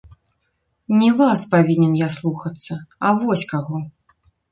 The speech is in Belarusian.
Не вас павінен я слухацца, а вось каго!